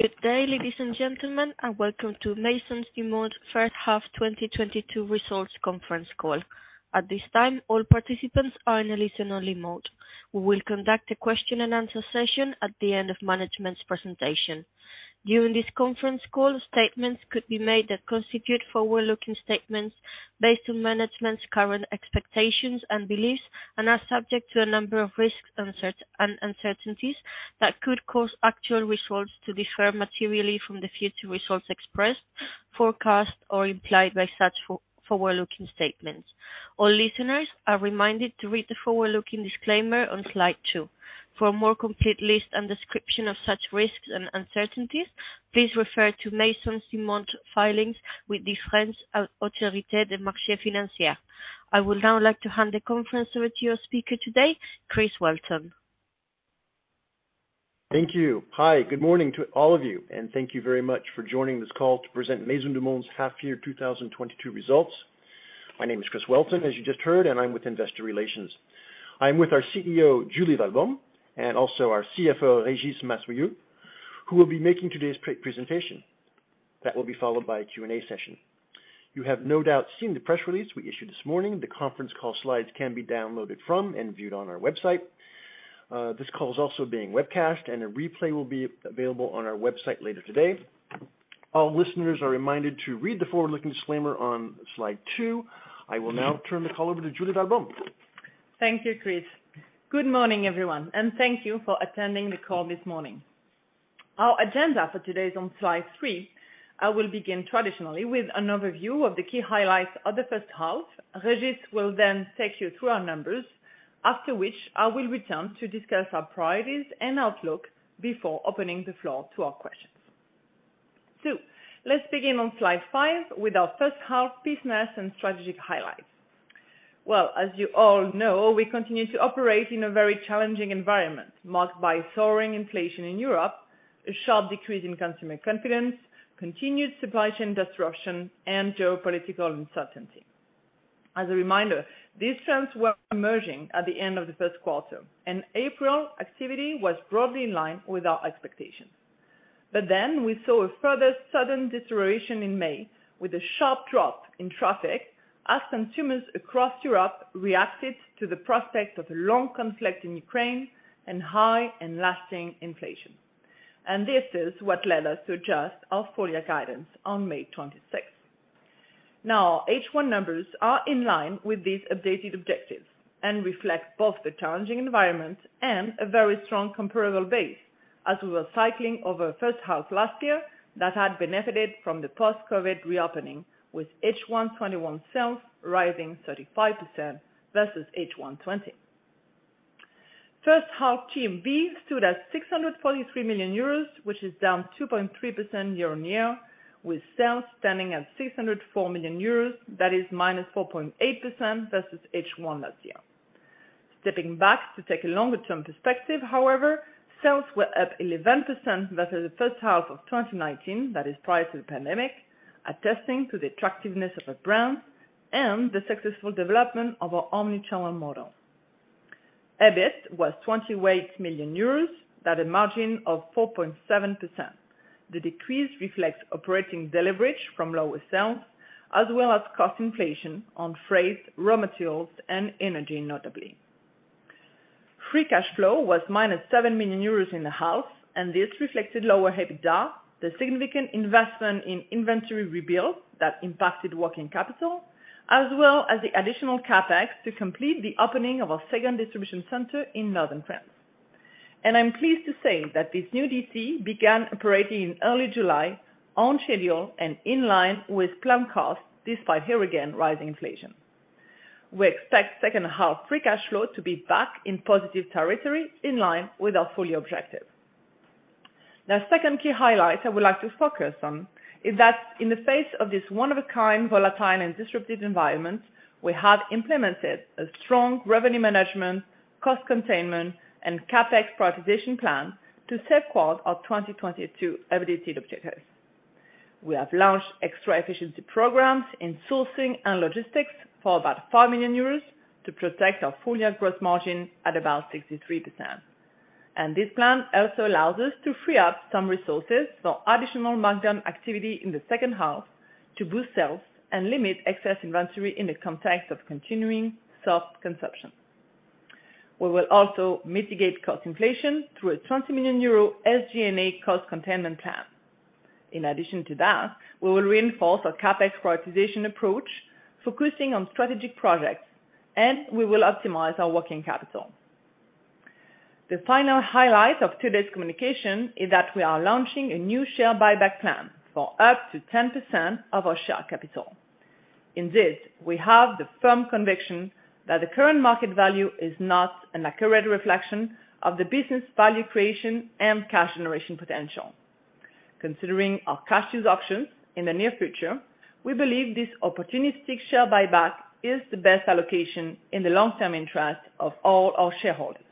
Good day, ladies and gentlemen, and welcome to Maisons du Monde First Half 2022 results conference call. At this time, all participants are in a listen-only mode. We will conduct a question-and-answer session at the end of management's presentation. During this conference call, statements could be made that constitute forward-looking statements based on management's current expectations and beliefs and are subject to a number of risks and uncertainties that could cause actual results to differ materially from the future results expressed, forecast or implied by such forward-looking statements. All listeners are reminded to read the forward-looking disclaimer on slide 2. For a more complete list and description of such risks and uncertainties, please refer to Maisons du Monde filings with the French Autorité des marchés financiers. I would now like to hand the conference over to your speaker today, Chris Welton. Thank you. Hi, good morning to all of you, and thank you very much for joining this call to present Maisons du Monde's Half-Year 2022 Results. My name is Chris Welton, as you just heard, and I'm with Investor Relations. I'm with our CEO, Julie Walbaum, and also our CFO, Régis Massuyeau, who will be making today's presentation. That will be followed by a Q&A session. You have no doubt seen the press release we issued this morning. The conference call slides can be downloaded from and viewed on our website. This call is also being webcast and a replay will be available on our website later today. All listeners are reminded to read the forward-looking disclaimer on slide two. I will now turn the call over to Julie Walbaum. Thank you, Chris. Good morning, everyone, and thank you for attending the call this morning. Our agenda for today is on slide three. I will begin traditionally with an overview of the key highlights of the first half. Régis will then take you through our numbers, after which I will return to discuss our priorities and outlook before opening the floor to our questions. Let's begin on slide five with our first half business and strategic highlights. Well, as you all know, we continue to operate in a very challenging environment marked by soaring inflation in Europe, a sharp decrease in consumer confidence, continued supply chain disruption and geopolitical uncertainty. As a reminder, these trends were emerging at the end of the first quarter. In April, activity was broadly in line with our expectations. We saw a further sudden deterioration in May with a sharp drop in traffic as consumers across Europe reacted to the prospect of a long conflict in Ukraine and high and lasting inflation. This is what led us to adjust our full-year guidance on May 26th. Now, H1 numbers are in line with these updated objectives and reflect both the challenging environment and a very strong comparable base as we were cycling over first half last year that had benefited from the post-COVID reopening, with H1 2021 sales rising 35% versus H1 2020. First half TMB stood at 643 million euros, which is down 2.3% year-on-year, with sales standing at 604 million euros, that is -4.8% versus H1 last year. Stepping back to take a longer-term perspective, however, sales were up 11% versus the first half of 2019, that is prior to the pandemic, attesting to the attractiveness of the brand and the successful development of our omni-channel model. EBIT was 28 million euros at a margin of 4.7%. The decrease reflects operating deleverage from lower sales as well as cost inflation on freight, raw materials and energy, notably. Free cash flow was -7 million euros in H1, and this reflected lower EBITDA, the significant investment in inventory rebuild that impacted working capital, as well as the additional CapEx to complete the opening of our second distribution center in northern France. I'm pleased to say that this new DC began operating in early July on schedule and in line with planned costs, despite, here again, rising inflation. We expect second half free cash flow to be back in positive territory in line with our full year objective. The second key highlight I would like to focus on is that in the face of this one of a kind volatile and disruptive environment, we have implemented a strong revenue management, cost containment and CapEx prioritization plan to safeguard our 2022 EBITDA objectives. We have launched extra efficiency programs in sourcing and logistics for about 5 million euros to protect our full year gross margin at about 63%. This plan also allows us to free up some resources for additional markdown activity in the second half to boost sales and limit excess inventory in the context of continuing soft consumption. We will also mitigate cost inflation through a 20 million euro SG&A cost containment plan. In addition to that, we will reinforce our CapEx prioritization approach, focusing on strategic projects, and we will optimize our working capital. The final highlight of today's communication is that we are launching a new share buyback plan for up to 10% of our share capital. In this, we have the firm conviction that the current market value is not an accurate reflection of the business value creation and cash generation potential. Considering our cash use options in the near future, we believe this opportunistic share buyback is the best allocation in the long term interest of all our shareholders.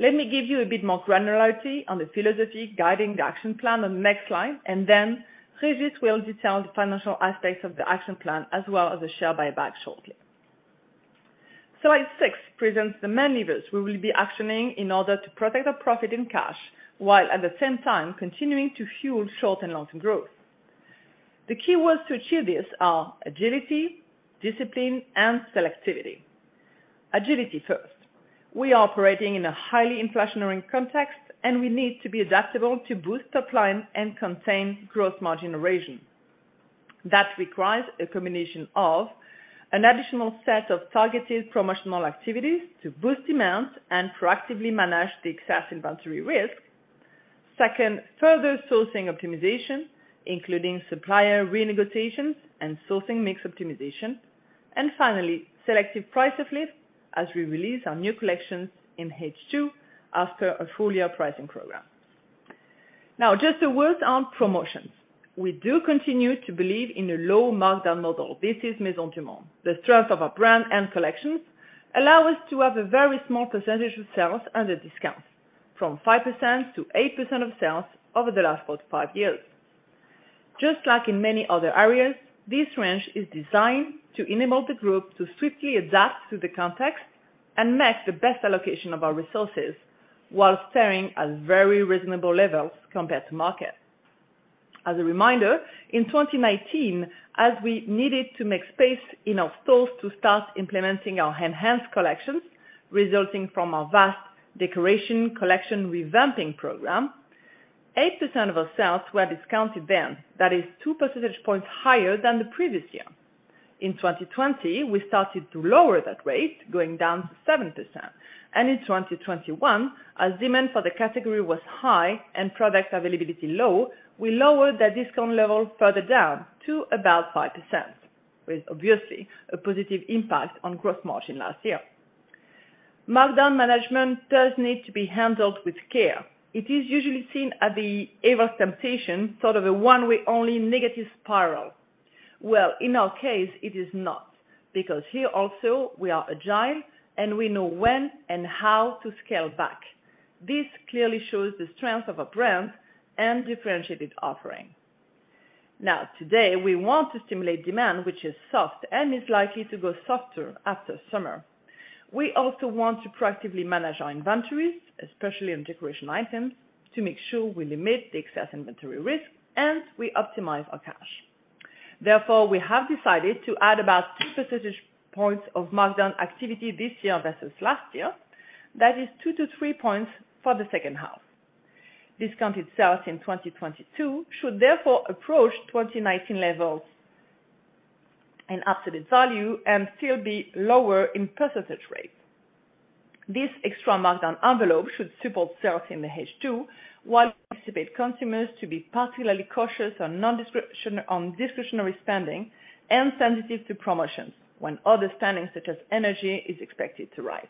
Let me give you a bit more granularity on the philosophy guiding the action plan on the next slide, and then Régis Massuyeau will detail the financial aspects of the action plan as well as the share buyback shortly. Slide six presents the main levers we will be actioning in order to protect our profits and cash, while at the same time continuing to fuel short and long-term growth. The key words to achieve this are agility, discipline, and selectivity. Agility first. We are operating in a highly inflationary context, and we need to be adaptable to boost top line and contain gross margin erosion. That requires a combination of an additional set of targeted promotional activities to boost demand and proactively manage the excess inventory risk. Second, further sourcing optimization, including supplier renegotiations and sourcing mix optimization. Finally, selective price uplift as we release our new collections in H2 after a full-year pricing program. Now, just a word on promotions. We do continue to believe in a low markdown model. This is Maisons du Monde. The strength of our brand and collections allow us to have a very small percentage of sales under discounts from 5%-8% of sales over the last four to five years. Just like in many other areas, this range is designed to enable the group to swiftly adapt to the context and make the best allocation of our resources while staying at very reasonable levels compared to market. As a reminder, in 2019, as we needed to make space in our stores to start implementing our enhanced collections resulting from our vast decoration collection revamping program, 8% of our sales were discounted then. That is 2 percentage points higher than the previous year. In 2020, we started to lower that rate going down to 7%. In 2021, as demand for the category was high and product availability low, we lowered the discount level further down to about 5%, with obviously a positive impact on gross margin last year. Markdown management does need to be handled with care. It is usually seen as the evil temptation, a one-way only negative spiral. Well, in our case, it is not. Because here also we are agile, and we know when and how to scale back. This clearly shows the strength of a brand and differentiated offering. Now, today, we want to stimulate demand, which is soft and is likely to go softer after summer. We also want to proactively manage our inventories, especially on decoration items, to make sure we limit the excess inventory risk and we optimize our cash. Therefore, we have decided to add about two percentage points of markdown activity this year versus last year. That is two to three points for the second half. Discounted sales in 2022 should therefore approach 2019 levels in absolute value and still be lower in percentage rate. This extra markdown envelope should support sales in the H2, while we anticipate consumers to be particularly cautious on discretionary spending and sensitive to promotions when other spendings such as energy is expected to rise.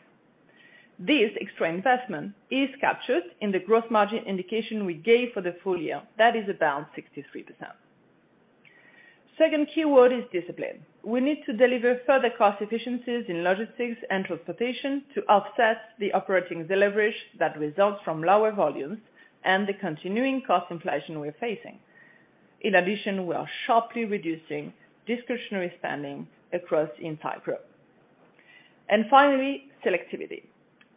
This extra investment is captured in the gross margin indication we gave for the full year. That is about 63%. Second keyword is discipline. We need to deliver further cost efficiencies in logistics and transportation to offset the operating deleverage that results from lower volumes and the continuing cost inflation we're facing. In addition, we are sharply reducing discretionary spending across the entire group. Finally, selectivity.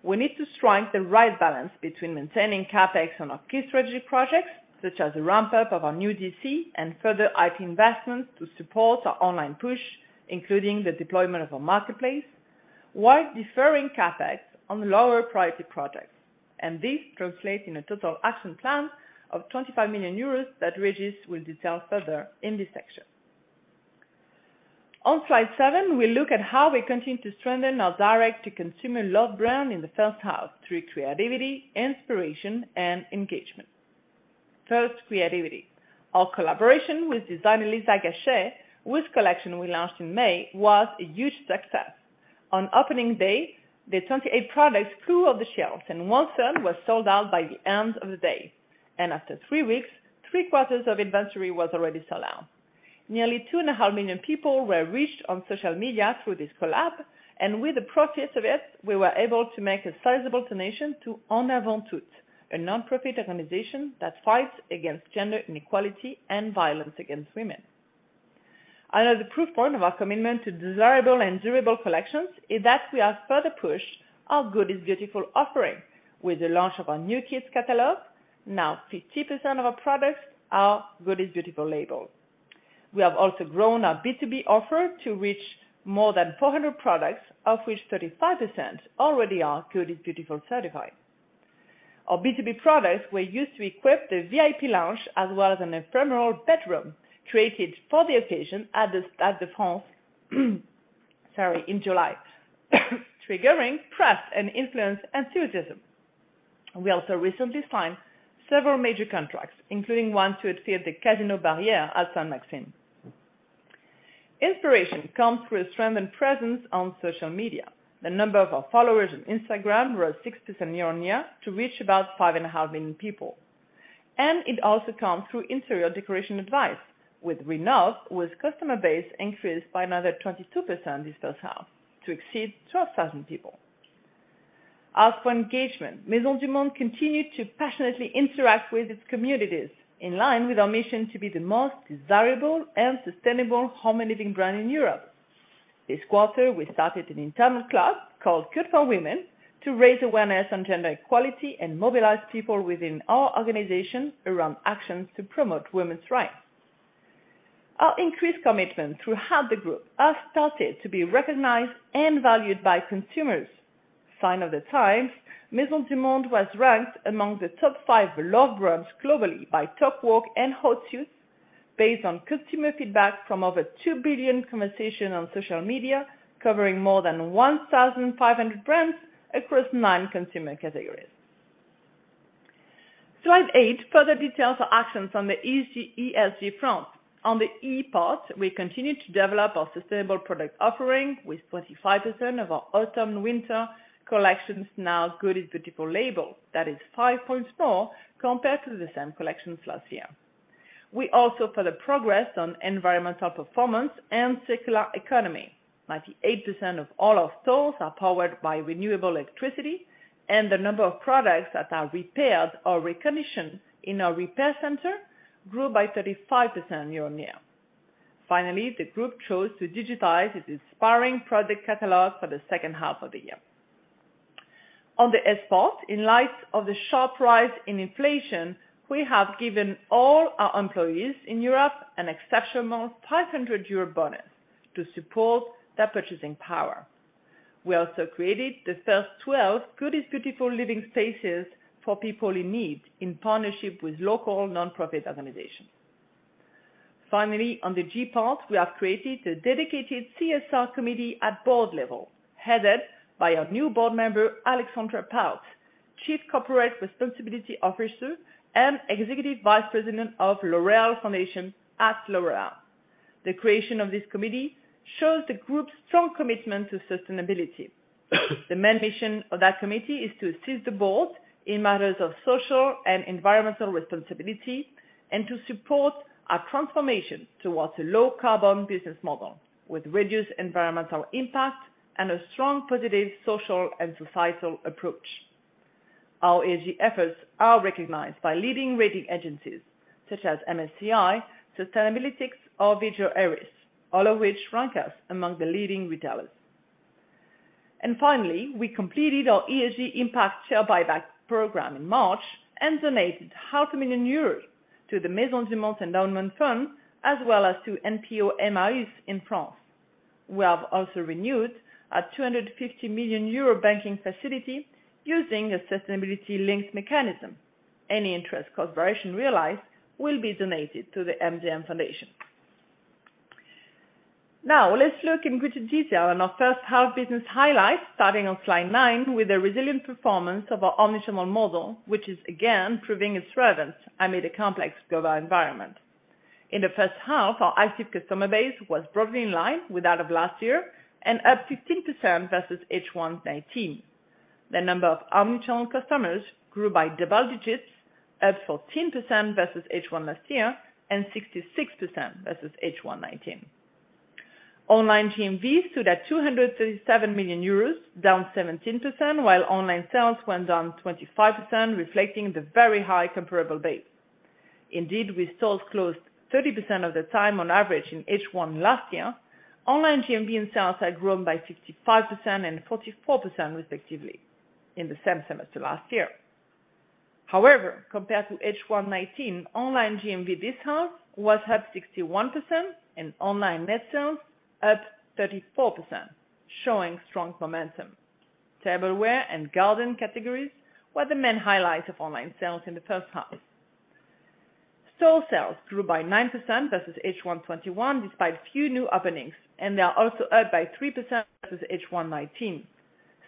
We need to strike the right balance between maintaining CapEx on our key strategy projects, such as the ramp-up of our new DC and further IT investments to support our online push, including the deployment of our marketplace, while deferring CapEx on lower priority projects. This translates in a total action plan of 25 million euros that Régis Massuyeau will detail further in this section. On slide seven, we look at how we continue to strengthen our direct-to-consumer love brand in the first half through creativity, inspiration, and engagement. First, creativity. Our collaboration with designer Lisa Gachet, whose collection we launched in May, was a huge success. On opening day, the 28 products flew off the shelves, and 1/3 was sold out by the end of the day. After three weeks, three-quarters of inventory was already sold out. Nearly 2.5 million people were reached on social media through this collab, and with the profits of it, we were able to make a sizable donation to En avant toutes, a nonprofit organization that fights against gender inequality and violence against women. Another proof point of our commitment to desirable and durable collections is that we have further pushed our Good is Beautiful offering. With the launch of our new kids catalog, now 50% of our products are Good is Beautiful label. We have also grown our B2B offer to reach more than 400 products, of which 35% already are Good is Beautiful certified. Our B2B products were used to equip the VIP lounge as well as an ephemeral bedroom created for the occasion in July, triggering press and influencer enthusiasm. We also recently signed several major contracts, including one to outfit the Casino Barrière Sainte-Maxime. Inspiration comes through a strengthened presence on social media. The number of our followers on Instagram rose 60% year-on-year to reach about 5.5 million people. It also comes through interior decoration advice with Rhinov, whose customer base increased by another 22% this first half to exceed 12,000 people. As for engagement, Maisons du Monde continued to passionately interact with its communities, in line with our mission to be the most desirable and sustainable home and living brand in Europe. This quarter, we started an internal club called Good for Women to raise awareness on gender equality and mobilize people within our organization around actions to promote women's rights. Our increased commitment throughout the group has started to be recognized and valued by consumers. Sign of the times, Maisons du Monde was ranked among the top 5 loved brands globally by Talkwalker and Hootsuite, based on customer feedback from over 2 billion conversations on social media, covering more than 1,500 brands across 9 consumer categories. Slide 8 further details our actions on the ESG front. On the E part, we continue to develop our sustainable product offering, with 25% of our autumn-winter collections now Good is Beautiful label. That is 5 points more compared to the same collections last year. We also further progress on environmental performance and circular economy. 98% of all our stores are powered by renewable electricity, and the number of products that are repaired or reconditioned in our repair center grew by 35% year-on-year. Finally, the group chose to digitize its inspiring product catalog for the second half of the year. On the S part, in light of the sharp rise in inflation, we have given all our employees in Europe an exceptional 500 euro bonus to support their purchasing power. We also created the first 12 Good is Beautiful living spaces for people in need, in partnership with local nonprofit organizations. Finally, on the G part, we have created a dedicated CSR committee at Board level, headed by our new Board Member, Alexandra Palt, Chief Corporate Responsibility Officer and Executive Vice President of L'Oréal Foundation at L'Oréal. The creation of this committee shows the group's strong commitment to sustainability. The main mission of that committee is to assist the Board in matters of social and environmental responsibility, and to support our transformation towards a low-carbon business model with reduced environmental impact and a strong, positive social and societal approach. Our ESG efforts are recognized by leading rating agencies such as MSCI, Sustainalytics or Vigeo Eiris, all of which rank us among the leading retailers. Finally, we completed our ESG impact share buyback program in March, and donated half a million EUR to the Maisons du Monde Endowment Fund, as well as to NPO Emmaüs in France. We have also renewed our 250 million euro banking facility using a sustainability-linked mechanism. Any interest cost variation realized will be donated to the MDM Foundation. Now let's look in greater detail on our first half-business highlights, starting on slide 9 with the resilient performance of our omnichannel model, which is again proving its relevance amid a complex global environment. In the first half, our active customer base was broadly in line with that of last year and up 15% versus H1 2019. The number of omnichannel customers grew by double digits, up 14% versus H1 last year, and 66% versus H1 2019. Online GMV stood at EUR 237 million, down 17%, while online sales went down 25%, reflecting the very high comparable base. Indeed, with stores closed 30% of the time on average in H1 last year, online GMV and sales had grown by 55% and 44% respectively in the same semester last year. However, compared to H1 2019, online GMV this half was up 61% and online net sales up 34%, showing strong momentum. Tableware and garden categories were the main highlights of online sales in the first half. Store sales grew by 9% versus H1 2021, despite few new openings, and they are also up by 3% versus H1 2019.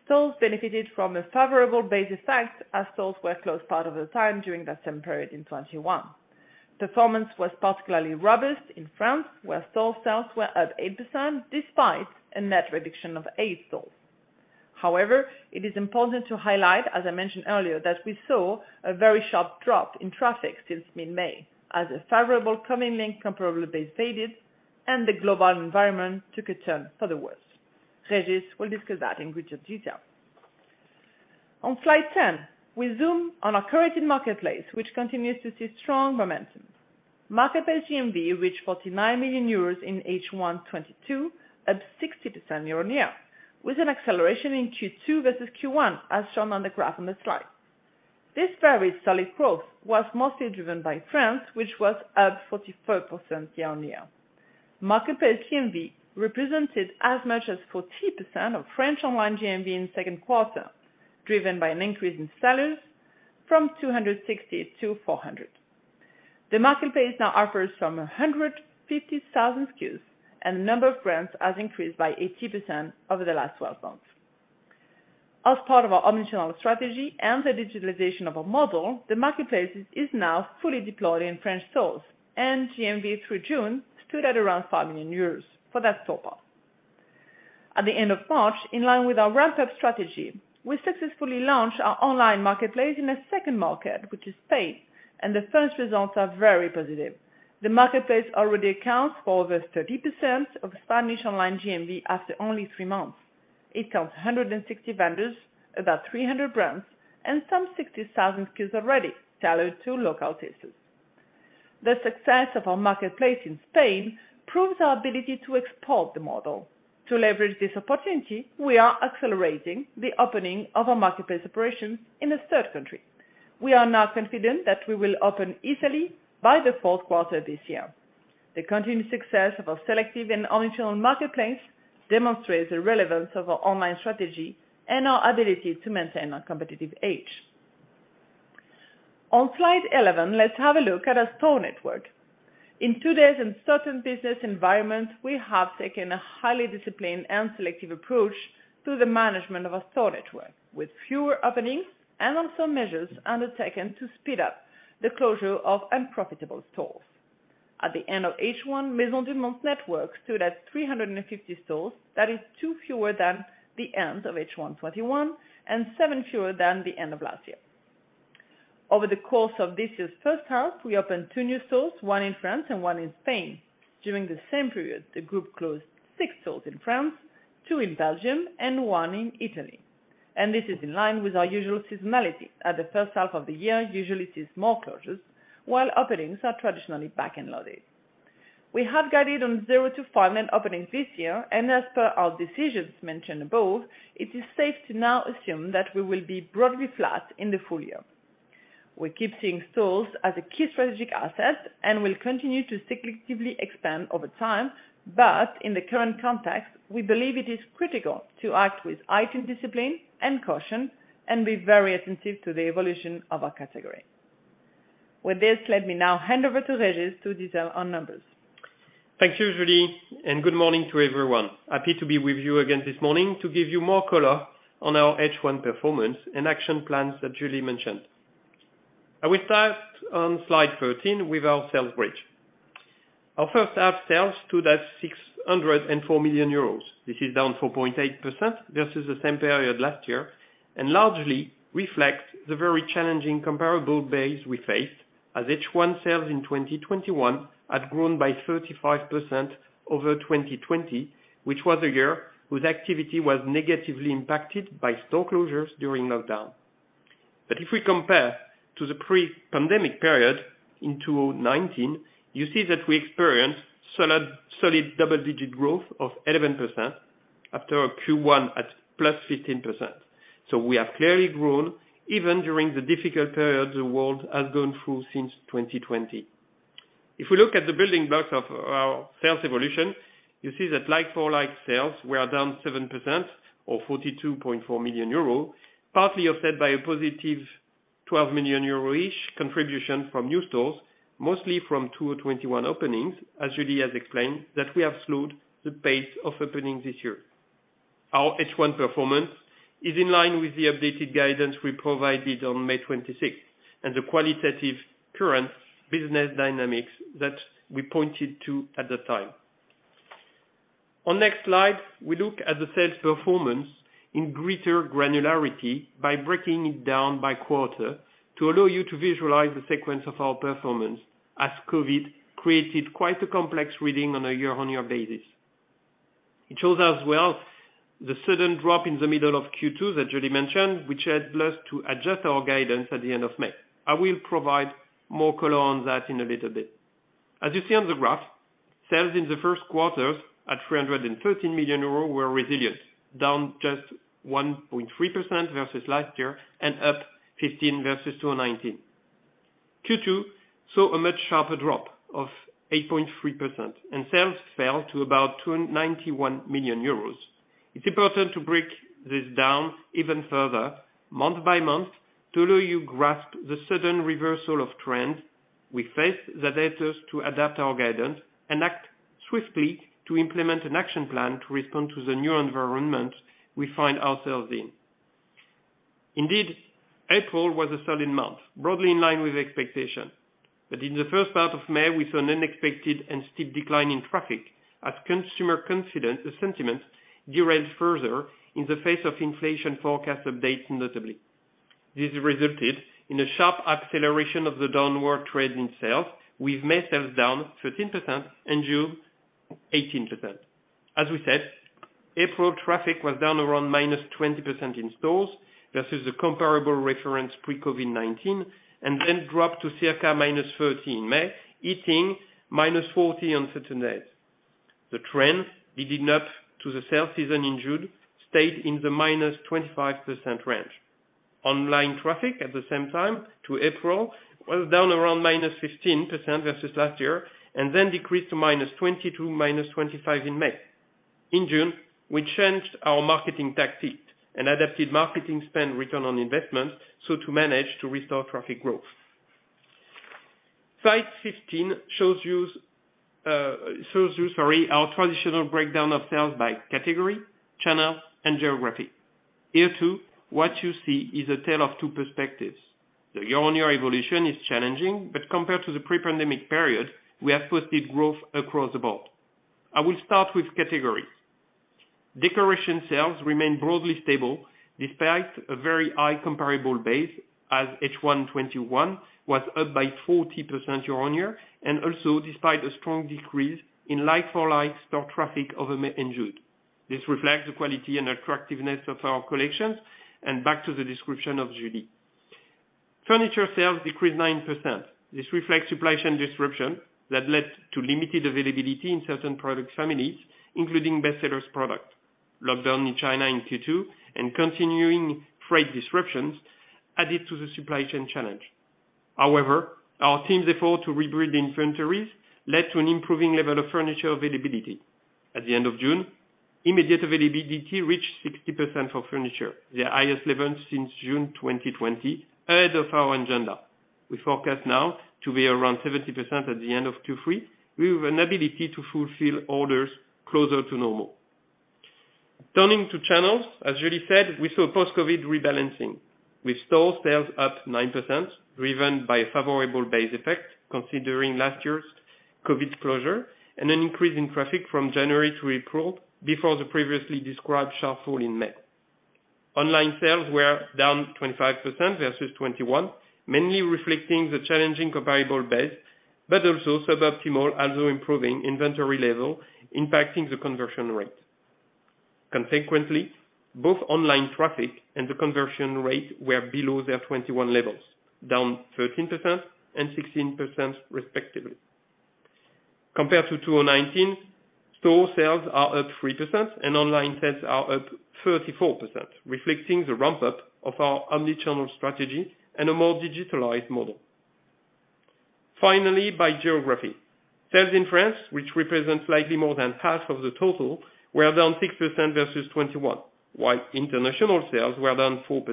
Stores benefited from a favorable base effect, as stores were closed part of the time during that same period in 2021. Performance was particularly robust in France, where store sales were up 8% despite a net reduction of 8 stores. However, it is important to highlight, as I mentioned earlier, that we saw a very sharp drop in traffic since mid-May, as a favorable COVID-linked comparable base faded and the global environment took a turn for the worse. Régis will discuss that in greater detail. On slide ten, we zoom on our curated marketplace, which continues to see strong momentum. Marketplace GMV reached 49 million euros in H1 2022, up 60% year-on-year, with an acceleration in Q2 versus Q1, as shown on the graph on the slide. This very solid growth was mostly driven by France, which was up 44% year-on-year. Marketplace GMV represented as much as 40% of French online GMV in second quarter, driven by an increase in sellers from 260 to 400. The marketplace now offers some 150,000 SKUs, and the number of brands has increased by 80% over the last 12 months. As part of our omnichannel strategy and the digitalization of our model, the marketplace is now fully deployed in French stores, and GMV through June stood at around 5 million euros for that store path. At the end of March, in line with our ramp-up strategy, we successfully launched our online marketplace in a second market, which is Spain, and the first results are very positive. The marketplace already accounts for over 30% of Spanish online GMV after only three months. It counts 160 vendors, about 300 brands, and some 60,000 SKUs already tailored to local tastes. The success of our marketplace in Spain proves our ability to export the model. To leverage this opportunity, we are accelerating the opening of our marketplace operations in a third country. We are now confident that we will open Italy by the fourth quarter this year. The continued success of our selective and omnichannel marketplace demonstrates the relevance of our online strategy and our ability to maintain our competitive edge. On slide 11, let's have a look at our store network. In today's uncertain business environment, we have taken a highly disciplined and selective approach to the management of our store network, with fewer openings and also measures undertaken to speed up the closure of unprofitable stores. At the end of H1, Maisons du Monde network stood at 350 stores. That is 2 fewer than the end of H1 2021, and 7 fewer than the end of last year. Over the course of this year's first half, we opened 2 new stores, 1 in France and 1 in Spain. During the same period, the group closed 6 stores in France, 2 in Belgium, and 1 in Italy. This is in line with our usual seasonality, as the first half of the year usually sees more closures, while openings are traditionally back-end loaded. We have guided on 0-5 net openings this year, and as per our decisions mentioned above, it is safe to now assume that we will be broadly flat in the full year. We keep seeing stores as a key strategic asset and will continue to selectively expand over time. In the current context, we believe it is critical to act with heightened discipline and caution and be very attentive to the evolution of our category. With this, let me now hand over to Régis to detail our numbers. Thank you, Julie, and good morning to everyone. Happy to be with you again this morning to give you more color on our H1 performance and action plans that Julie mentioned. I will start on slide 13 with our sales bridge. Our first half sales stood at 604 million euros. This is down 4.8% versus the same period last year, and largely reflects the very challenging comparable base we faced, as H1 sales in 2021 had grown by 35% over 2020, which was a year whose activity was negatively impacted by store closures during lockdown. If we compare to the pre-pandemic period in 2019, you see that we experienced solid double-digit growth of 11% after our Q1 at +15%. We have clearly grown even during the difficult period the world has gone through since 2020. If we look at the building blocks of our sales evolution, you see that like-for-like sales were down 7% or 42.4 million euro, partly offset by a positive 12 million euro-ish contribution from new stores, mostly from 2021 openings, as Julie has explained, that we have slowed the pace of openings this year. Our H1 performance is in line with the updated guidance we provided on May 26th, and the qualitative current business dynamics that we pointed to at the time. On next slide, we look at the sales performance in greater granularity by breaking it down by quarter to allow you to visualize the sequence of our performance, as COVID created quite a complex reading on a year-on-year basis. It shows as well the sudden drop in the middle of Q2 that Julie mentioned, which had led to adjust our guidance at the end of May. I will provide more color on that in a little bit. As you see on the graph, sales in the first quarter at 313 million euros were resilient, down just 1.3% versus last year and up 15% versus 2019. Q2 saw a much sharper drop of 8.3%, and sales fell to about 291 million euros. It's important to break this down even further, month by month, to allow you grasp the sudden reversal of trend we faced that led us to adapt our guidance and act swiftly to implement an action plan to respond to the new environment we find ourselves in. Indeed, April was a solid month, broadly in line with expectation. In the first part of May, we saw an unexpected and steep decline in traffic as consumer confidence sentiment derailed further in the face of inflation forecast updates notably. This resulted in a sharp acceleration of the downward trend in sales, with May sales down 13% and June 18%. As we said, April traffic was down around -20% in stores versus the comparable reference pre-COVID-19 and then dropped to circa -13% in May, hitting -40% on certain days. The trend leading up to the sales season in June stayed in the -25% range. Online traffic at the same time to April was down around -15% versus last year and then decreased to -20% to -25% in May. In June, we changed our marketing tactic and adapted marketing spend return on investment so to manage to restore traffic growth. Slide 15 shows you, sorry, our traditional breakdown of sales by category, channel, and geography. Here, too, what you see is a tale of two perspectives. The year-on-year evolution is challenging, but compared to the pre-pandemic period, we have posted growth across the board. I will start with categories. Decoration sales remained broadly stable despite a very high comparable base as H1 2021 was up by 40% year-on-year, and also despite a strong decrease in like-for-like store traffic over May and June. This reflects the quality and attractiveness of our collections and back to the description of Julie. Furniture sales decreased 9%. This reflects supply chain disruption that led to limited availability in certain product families, including best sellers product. Lockdown in China in Q2 and continuing freight disruptions added to the supply chain challenge. However, our team's effort to rebuild inventories led to an improving level of furniture availability. At the end of June, immediate availability reached 60% for furniture, the highest level since June 2020, ahead of our agenda. We forecast now to be around 70% at the end of Q3, with an ability to fulfill orders closer to normal. Turning to channels, as Julie said, we saw post-COVID rebalancing with store sales up 9%, driven by a favorable base effect considering last year's COVID closure and an increase in traffic from January to April before the previously described sharp fall in May. Online sales were down 25% versus 2021, mainly reflecting the challenging comparable base, but also suboptimal although improving inventory level impacting the conversion rate. Consequently, both online traffic and the conversion rate were below their 2021 levels, down 13% and 16% respectively. Compared to 2019, store sales are up 3% and online sales are up 34%, reflecting the ramp-up of our omni-channel strategy and a more digitalized model. Finally, by geography. Sales in France, which represents slightly more than half of the total, were down 6% versus 2021, while international sales were down 4%.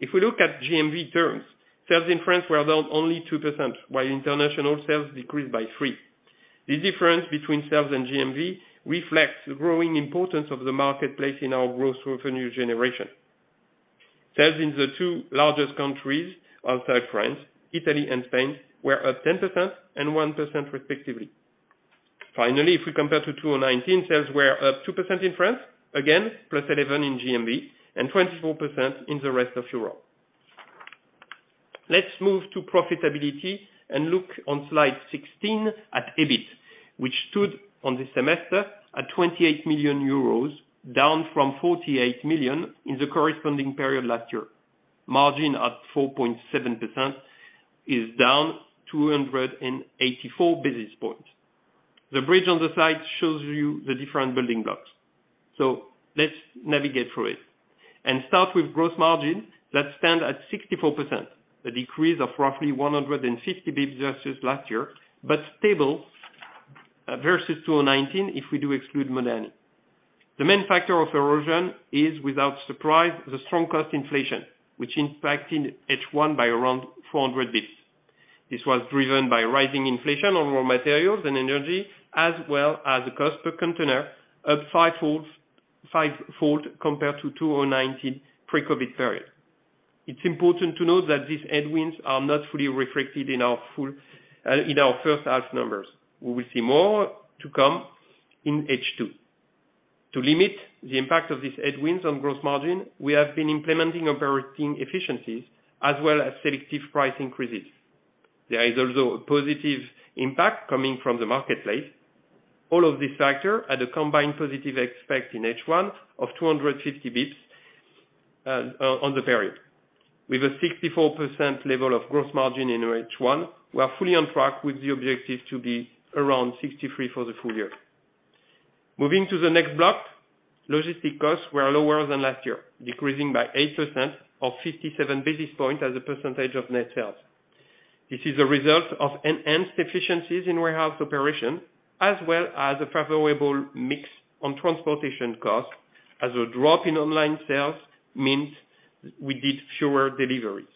If we look at GMV terms, sales in France were down only 2%, while international sales decreased by 3%. This difference between sales and GMV reflects the growing importance of the marketplace in our growth through a new generation. Sales in the two largest countries outside France, Italy and Spain, were up 10% and 1%, respectively. Finally, if we compare to 2019, sales were up 2% in France, again, +11% in GMV, and 24% in the rest of Europe. Let's move to profitability and look on slide 16 at EBIT, which stood at 28 million euros this semester, down from 48 million in the corresponding period last year. Margin at 4.7% is down 284 basis points. The bridge on the slide shows you the different building blocks. Let's navigate through it and start with gross margin that stand at 64%, a decrease of roughly 150 basis points versus last year, but stable versus 2019, if we do exclude Modani. The main factor of erosion is, without surprise, the strong cost inflation, which impacted H1 by around 400 basis points. This was driven by rising inflation on raw materials and energy, as well as a cost per container up fivefold compared to 2019 pre-COVID period. It's important to note that these headwinds are not fully reflected in our first half numbers. We will see more to come in H2. To limit the impact of these headwinds on gross margin, we have been implementing operating efficiencies as well as selective price increases. There is also a positive impact coming from the marketplace. All of these factors had a combined positive effect in H1 of 250 basis points on the period. With a 64% level of gross margin in H1, we are fully on track with the objective to be around 63% for the full year. Moving to the next block, logistics costs were lower than last year, decreasing by 8% or 57 basis points as a percentage of net sales. This is a result of enhanced efficiencies in warehouse operation, as well as a favorable mix on transportation costs as a drop in online sales means we did fewer deliveries.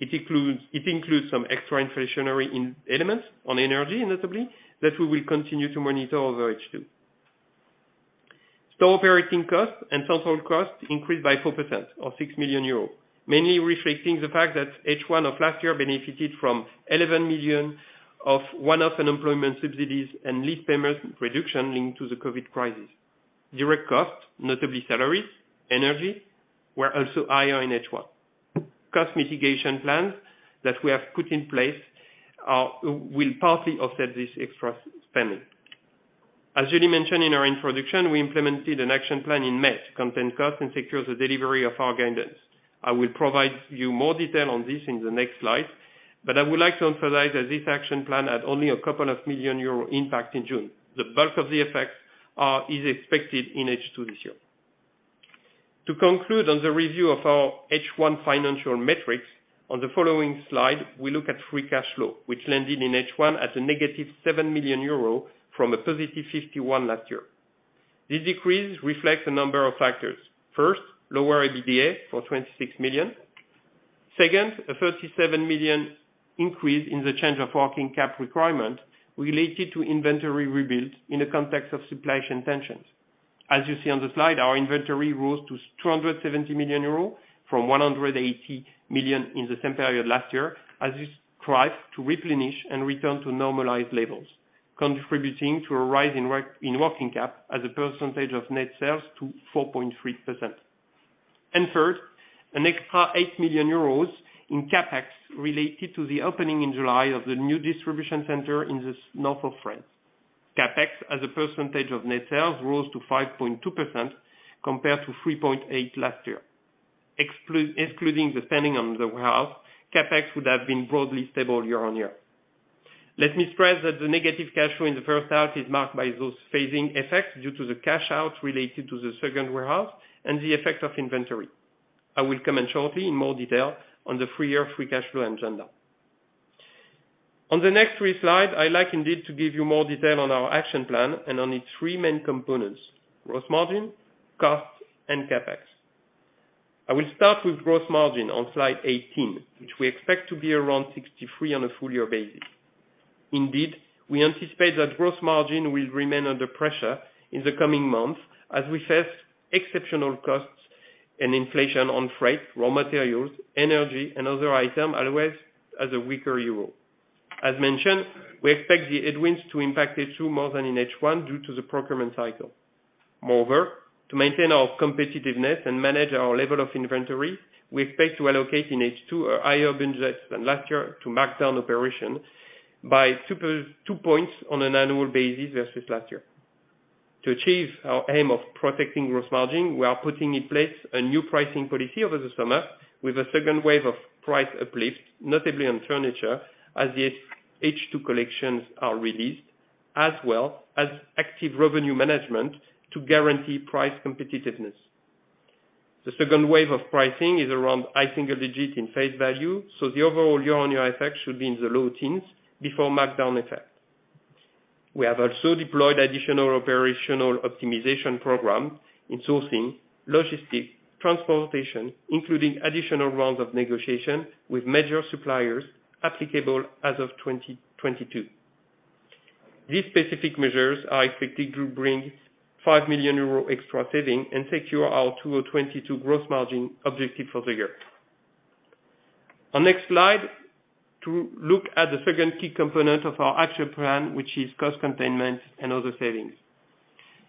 It includes some extra-inflationary elements on energy, notably, that we will continue to monitor over H2. Store operating costs and total costs increased by 4% or 6 million euros, mainly reflecting the fact that H1 of last year benefited from 11 million of one-off unemployment subsidies and lease payment reduction linked to the COVID crisis. Direct costs, notably salaries, energy, were also higher in H1. Cost mitigation plans that we have put in place will partly offset this extra spending. As Julie mentioned in our introduction, we implemented an action plan in May to contain costs and secure the delivery of our guidance. I will provide you more detail on this in the next slide, but I would like to emphasize that this action plan had only a couple of million EUR impact in June. The bulk of the effects is expected in H2 this year. To conclude on the review of our H1 financial metrics, on the following slide, we look at free cash flow, which landed in H1 at a negative 7 million euro from a positive 51 million last year. This decrease reflects a number of factors. First, lower EBITDA for 26 million. Second, a 37 million increase in the change of working capital requirement related to inventory rebuild in the context of supply chain tensions. As you see on the slide, our inventory rose to 270 million euros from 180 million in the same period last year, as we strive to replenish and return to normalized levels, contributing to a rise in working cap as a percentage of net sales to 4.3%. Third, an extra 8 million euros in CapEx related to the opening in July of the new distribution center in the north of France. CapEx as a percentage of net sales rose to 5.2% compared to 3.8% last year. Excluding the spending on the warehouse, CapEx would have been broadly stable year-on-year. Let me stress that the negative cash flow in the first half is marked by those phasing effects due to the cash out related to the second warehouse and the effect of inventory. I will come in shortly in more detail on the full year free cash flow agenda. On the next three slides, I like indeed to give you more detail on our action plan and on its three main components: gross margin, cost, and CapEx. I will start with gross margin on slide 18, which we expect to be around 63% on a full year basis. Indeed, we anticipate that gross margin will remain under pressure in the coming months as we face exceptional costs and inflation on freight, raw materials, energy, and other items, as well as a weaker euro. As mentioned, we expect the headwinds to impact H2 more than in H1 due to the procurement cycle. Moreover, to maintain our competitiveness and manage our level of inventory, we expect to allocate in H2 a higher budget than last year to markdown operation by +2 points on an annual basis versus last year. To achieve our aim of protecting gross margin, we are putting in place a new pricing policy over the summer with a second wave of price uplift, notably on furniture as the H2 collections are released, as well as active revenue management to guarantee price competitiveness. The second wave of pricing is around high single digit in face value, so the overall year-on-year effect should be in the low teens before markdown effect. We have also deployed additional operational optimization program in sourcing, logistics, transportation, including additional rounds of negotiation with major suppliers applicable as of 2022. These specific measures are expected to bring 5 million euro extra saving and secure our 2022 gross margin objective for the year. On next slide, to look at the second key component of our action plan, which is cost containment and other savings.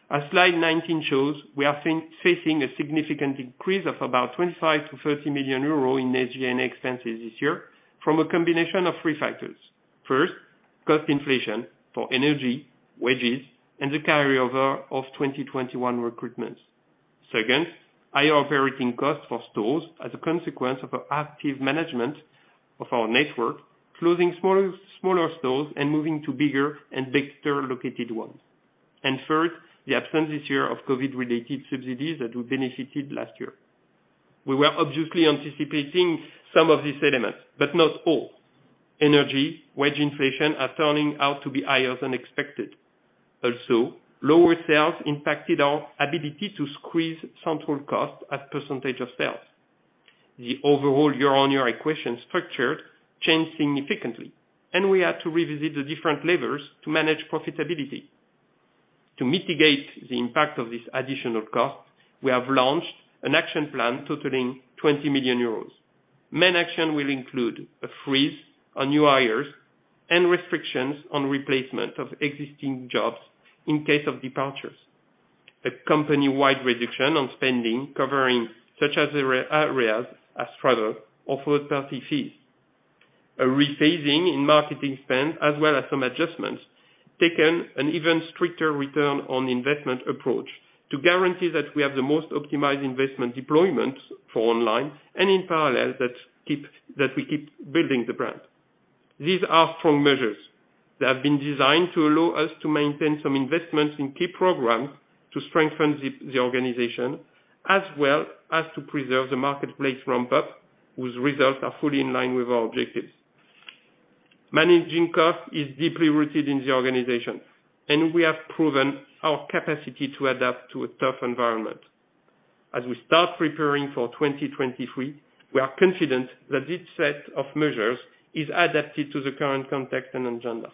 As slide 19 shows, we are facing a significant increase of about 25 million to 30 million in SG&A expenses this year from a combination of three factors. First, cost inflation for energy, wages, and the carryover of 2021 recruitments. Second, higher operating costs for stores as a consequence of an active management of our network, closing smaller stores and moving to bigger and better located ones. Third, the absence this year of COVID-related subsidies that we benefited last year. We were obviously anticipating some of these elements, but not all. Energy, wage inflation are turning out to be higher than expected. Also, lower sales impacted our ability to squeeze central costs as a percentage of sales. The overall year-on-year equation structure changed significantly, and we had to revisit the different levers to manage profitability. To mitigate the impact of this additional cost, we have launched an action plan totaling 20 million euros. Main action will include a freeze on new hires and restrictions on replacement of existing jobs in case of departures. A company-wide reduction on spending covering such areas as travel or third-party fees. A rephasing in marketing spend as well as some adjustments, taking an even stricter return on investment approach to guarantee that we have the most optimized investment deployment for online and in parallel that we keep building the brand. These are strong measures that have been designed to allow us to maintain some investments in key programs to strengthen the organization, as well as to preserve the marketplace ramp up, whose results are fully in line with our objectives. Managing cost is deeply rooted in the organization, and we have proven our capacity to adapt to a tough environment. As we start preparing for 2023, we are confident that this set of measures is adapted to the current context and agenda.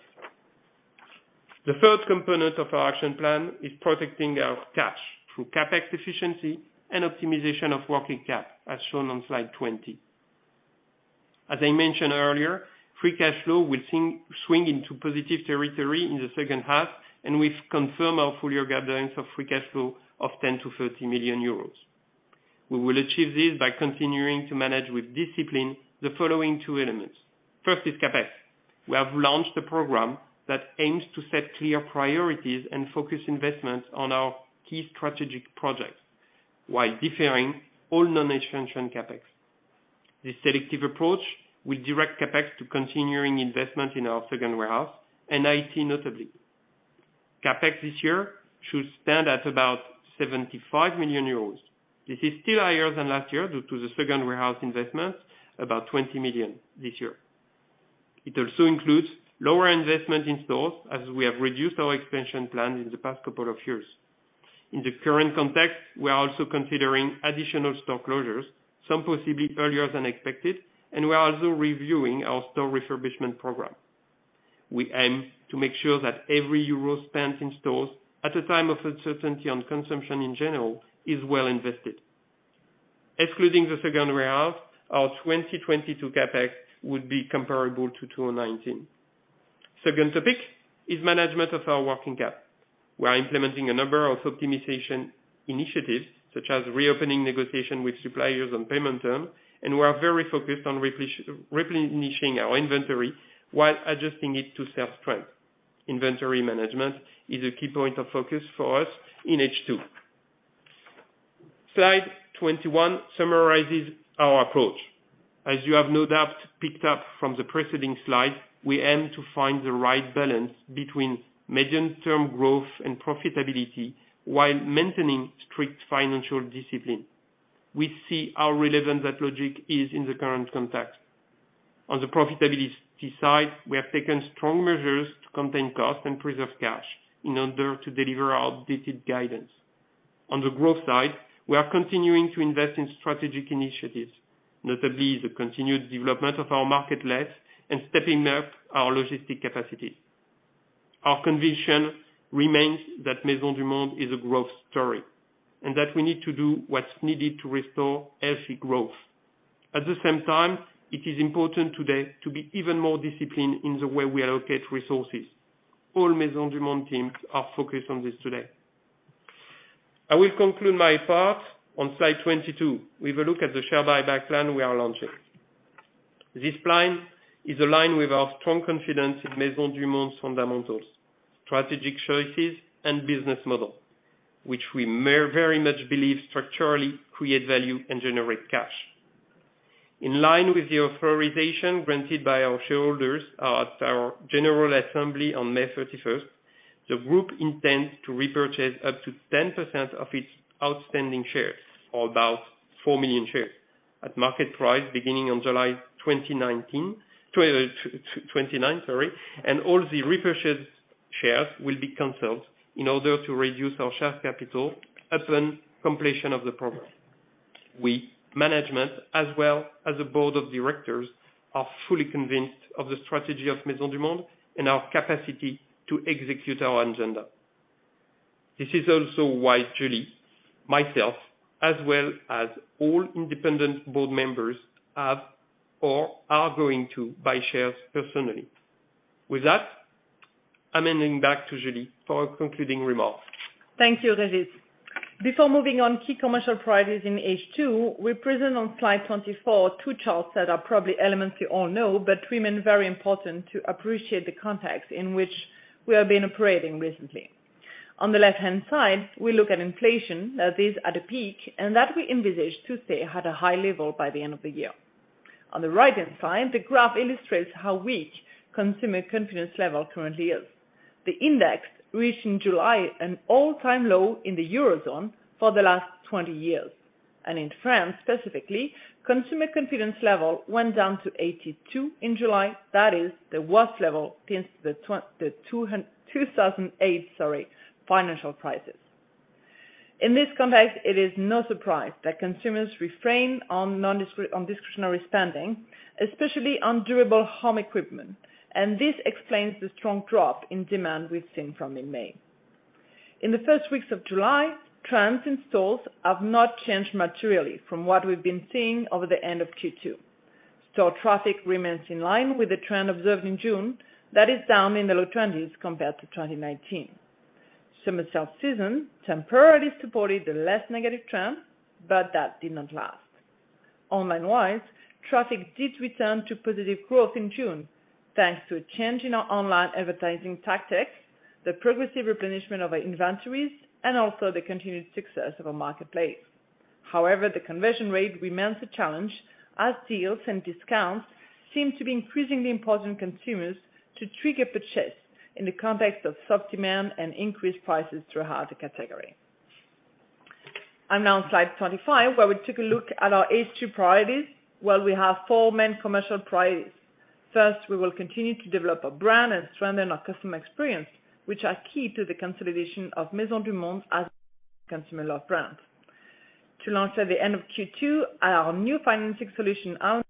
The third component of our action plan is protecting our cash through CapEx efficiency and optimization of working capital, as shown on slide 20. As I mentioned earlier, free cash flow will swing into positive territory in the second half, and we've confirmed our full year guidance of free cash flow of 10 million to 30 million euros. We will achieve this by continuing to manage with discipline the following two elements. First is CapEx. We have launched a program that aims to set clear priorities and focus investments on our key strategic projects while deferring all non-essential CapEx. This selective approach will direct CapEx to continuing investment in our second warehouse and IT notably. CapEx this year should stand at about 75 million euros. This is still higher than last year due to the second warehouse investment, about 20 million this year. It also includes lower investment in stores as we have reduced our expansion plan in the past couple of years. In the current context, we are also considering additional store closures, some possibly earlier than expected, and we are also reviewing our store refurbishment program. We aim to make sure that every euro spent in stores at a time of uncertainty on consumption in general is well invested. Excluding the second warehouse, our 2022 CapEx would be comparable to 2019. Second topic is management of our working cap. We are implementing a number of optimization initiatives, such as reopening negotiation with suppliers on payment term, and we are very focused on replenishing our inventory while adjusting it to sales strength. Inventory management is a key point of focus for us in H2. Slide 21 summarizes our approach. As you have no doubt picked up from the preceding slide, we aim to find the right balance between medium-term growth and profitability while maintaining strict financial discipline. We see how relevant that logic is in the current context. On the profitability side, we have taken strong measures to contain costs and preserve cash in order to deliver our updated guidance. On the growth side, we are continuing to invest in strategic initiatives, notably the continued development of our marketplace and stepping up our logistics capacity. Our conviction remains that Maisons du Monde is a growth story, and that we need to do what's needed to restore healthy growth. At the same time, it is important today to be even more disciplined in the way we allocate resources. All Maisons du Monde teams are focused on this today. I will conclude my part on slide 22 with a look at the share buyback plan we are launching. This plan is aligned with our strong confidence in Maisons du Monde's fundamentals, strategic choices, and business model, which we very much believe structurally create value and generate cash. In line with the authorization granted by our shareholders at our general assembly on May 31st, the group intends to repurchase up to 10% of its outstanding shares, or about 4 million shares at market price beginning on July 2029. All the repurchased shares will be canceled in order to reduce our share capital upon completion of the program. We, Management, as well as the Board of Directors, are fully convinced of the strategy of Maisons du Monde and our capacity to execute our agenda. This is also why Julie, myself, as well as all independent Board Members have or are going to buy shares personally. With that, I'm handing back to Julie for concluding remarks. Thank you, Régis. Before moving to key commercial priorities in H2, we present on slide 24 two charts that are probably elements you all know, but remain very important to appreciate the context in which we have been operating recently. On the left-hand side, we look at inflation, that is at a peak, and that we envisage to stay at a high level by the end of the year. On the right-hand side, the graph illustrates how weak consumer confidence level currently is. The index reached in July an all-time low in the Eurozone for the last 20 years. In France, specifically, consumer confidence level went down to 82 in July. That is the worst level since the two thousand eight, sorry, financial crisis. In this context, it is no surprise that consumers refrain from discretionary spending, especially on durable home equipment. This explains the strong drop in demand we've seen from in May. In the first weeks of July, trends in stores have not changed materially from what we've been seeing over the end of Q2. Store traffic remains in line with the trend observed in June that is down in the low 20% compared to 2019. Summer sale season temporarily supported the less negative trend, but that did not last. Online-wise, traffic did return to positive growth in June, thanks to a change in our online advertising tactics, the progressive replenishment of our inventories, and also the continued success of our marketplace. However, the conversion rate remains a challenge, as deals and discounts seem to be increasingly important to consumers to trigger purchase in the context of soft demand and increased prices throughout the category. Now on slide 25, where we take a look at our H2 priorities, where we have four main commercial priorities. First, we will continue to develop our brand and strengthen our customer experience, which are key to the consolidation of Maisons du Monde as consumer brand. To launch at the end of Q2, our new financing solution, Alma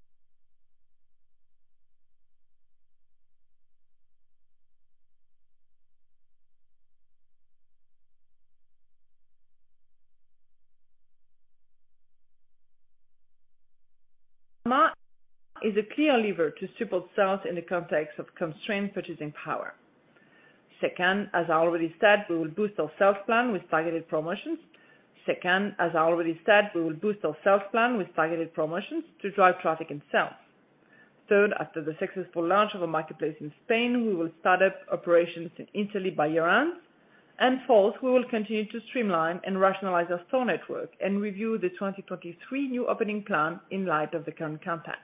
is a clear lever to support sales in the context of constrained purchasing power. Second, as I already said, we will boost our sales plan with targeted promotions to drive traffic and sales. Third, after the successful launch of a marketplace in Spain, we will start up operations in Italy by year-end. Fourth, we will continue to streamline and rationalize our store network and review the 2023 new opening plan in light of the current context.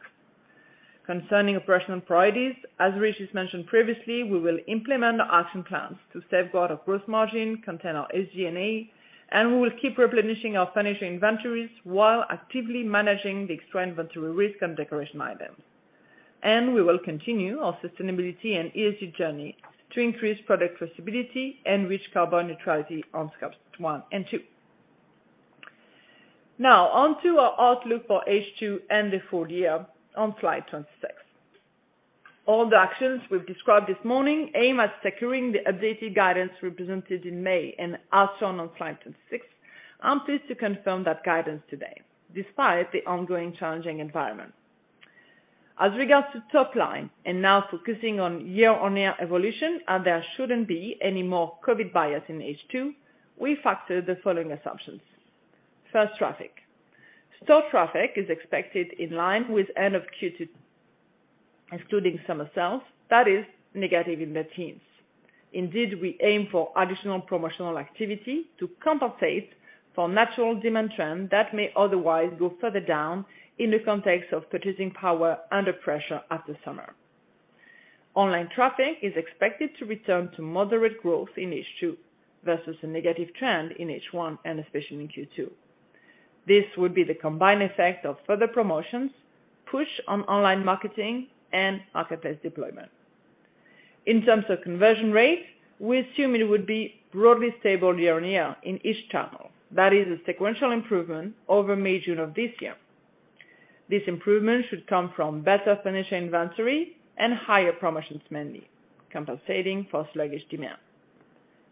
Concerning operational priorities, as Régis mentioned previously, we will implement action plans to safeguard our growth margin, contain our SG&A, and we will keep replenishing our furniture inventories while actively managing the extreme inventory risk and decoration items. We will continue our sustainability and ESG journey to increase product traceability and reach carbon neutrality on Scope 1 and 2. Now on to our outlook for H2 and the full year on slide 26. All the actions we've described this morning aim at securing the updated guidance represented in May and as shown on slide 26. I'm pleased to confirm that guidance today, despite the ongoing challenging environment. As regards to top line and now focusing on year-on-year evolution, and there shouldn't be any more COVID bias in H2, we factor the following assumptions. First, traffic. Store traffic is expected in line with end of Q2, excluding summer sales, that is negative in the teens. Indeed, we aim for additional promotional activity to compensate for natural demand trend that may otherwise go further down in the context of purchasing power under pressure after summer. Online traffic is expected to return to moderate growth in H2 versus a negative trend in H1 and especially in Q2. This would be the combined effect of further promotions, push on online marketing and marketplace deployment. In terms of conversion rate, we assume it would be broadly stable year-on-year in each channel. That is a sequential improvement over May, June of this year. This improvement should come from better financial inventory and higher promotions mainly compensating for sluggish demand.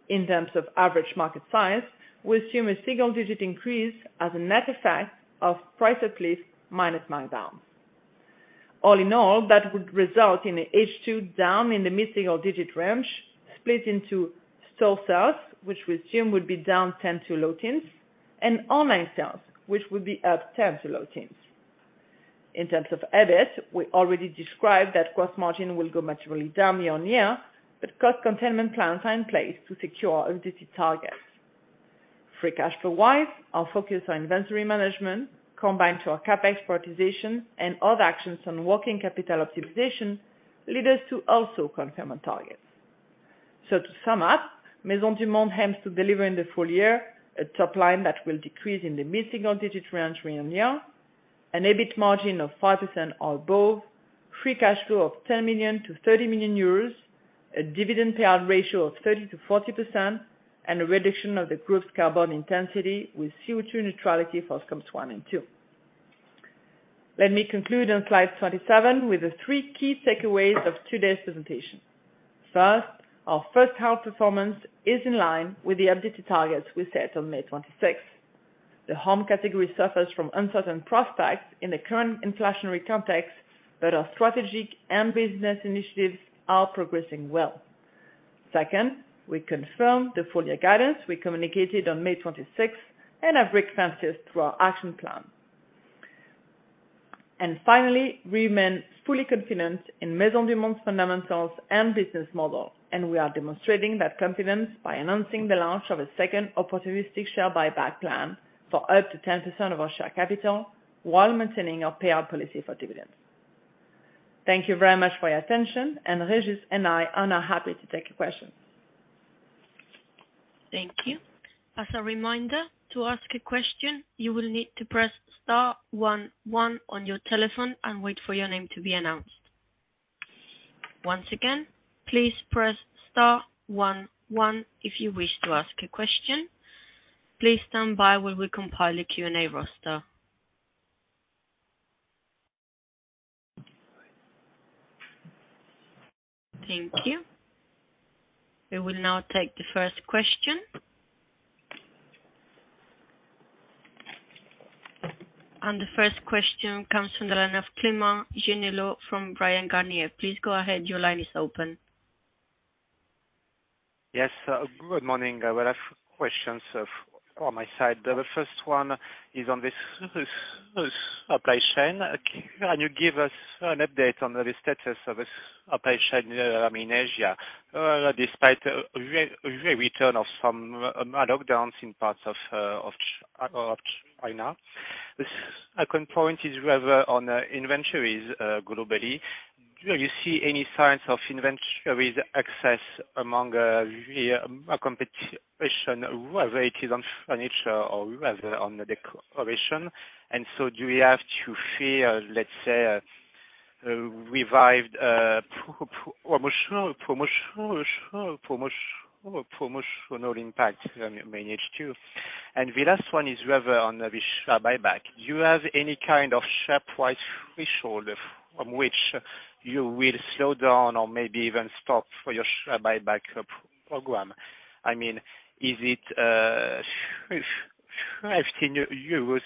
In terms of average basket size, we assume a single-digit increase as a net effect of price increases minus markdowns. All in all, that would result in a H2 down in the mid-single-digit range, split into store sales, which we assume would be down 10% to low teens, and online sales, which would be up 10% to low teens. In terms of EBIT, we already described that gross margin will go materially down year-on-year, but cost containment plans are in place to secure updated targets. Free cash flow-wise, our focus on inventory management combined with our CapEx prioritization and other actions on working capital optimization lead us to also confirm our targets. To sum up, Maisons du Monde aims to deliver in the full year a top line that will decrease in the mid-single digit range year-on-year, an EBIT margin of 5% or above, free cash flow of 10 million to 30 million euros, a dividend payout ratio of 30%-40%, and a reduction of the group's carbon intensity with CO2 neutrality for Scope 1 and 2. Let me conclude on slide 27 with the three key takeaways of today's presentation. First, our first half performance is in line with the updated targets we set on May 26th. The home category suffers from uncertain prospects in the current inflationary context, but our strategic and business initiatives are progressing well. Second, we confirm the full year guidance we communicated on May 26th and have breakthroughs through our action plan. Finally, we remain fully confident in Maisons du Monde's fundamentals and business model, and we are demonstrating that confidence by announcing the launch of a second opportunistic share buyback plan for up to 10% of our share capital while maintaining our payout policy for dividends. Thank you very much for your attention, and Régis Massuyeau and I are now happy to take your questions. Thank you. As a reminder, to ask a question, you will need to press star one one on your telephone and wait for your name to be announced. Once again, please press star one one if you wish to ask a question. Please stand by while we compile a Q&A roster. Thank you. We will now take the first question. The first question comes from the line of Clément Genelot from Bryan, Garnier. Please go ahead. Your line is open. Yes. Good morning. I will have questions of, on my side. The first one is on the supply chain. Can you give us an update on the status of the supply chain in Asia despite the return of some lockdowns in parts of China? The second point is rather on inventories globally. Do you see any signs of inventory excess among your competition, whether it is on furniture or rather on the decoration? Do we have to fear, let's say, a revived promotional impact in H2? The last one is rather on the share buyback. Do you have any kind of share price threshold on which you will slow down or maybe even stop for your share buyback program? I mean, is it 15 euros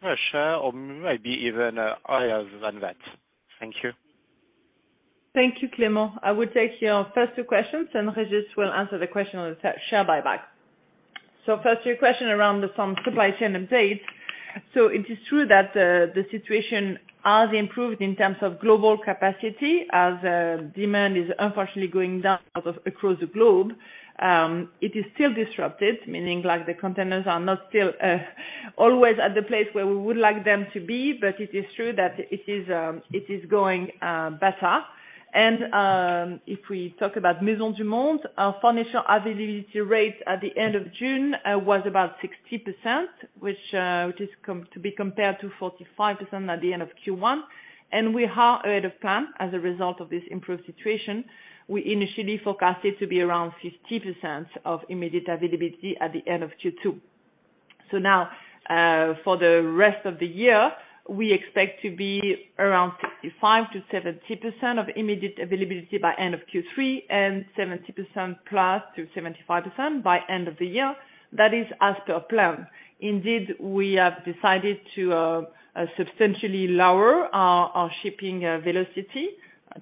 per share or maybe even higher than that? Thank you. Thank you, Clément. I will take your first two questions, and Régis will answer the question on the share buyback. First, your question around some supply chain updates. It is true that the situation has improved in terms of global capacity as demand is unfortunately going down across the globe. It is still disrupted, meaning like the containers are not always at the place where we would like them to be. It is true that it is going better. If we talk about Maisons du Monde, our financial availability rate at the end of June was about 60%, which is to be compared to 45% at the end of Q1. We are ahead of plan as a result of this improved situation. We initially forecasted to be around 50% of immediate availability at the end of Q2. Now, for the rest of the year, we expect to be around 65%-70% of immediate availability by end of Q3 and 70%+ to 75% by end of the year. That is as per plan. Indeed, we have decided to substantially lower our shipping velocity